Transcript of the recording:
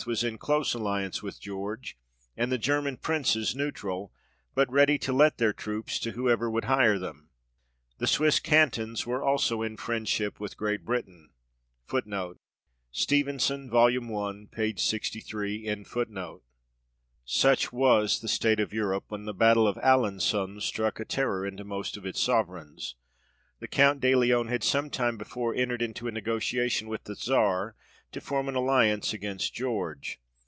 was in close alliance with George, and the German Princes neutral, but ready to let their troops to whoever would hire them. The Swiss cantons was also in friendship with Great Britain. 1 Such was the state of Europe, when the battle of Alen^on struck a terror into most of its Sovereigns. The Count de Leon had sometime before entered into a negotiation with the Czar, to form an alliance against George.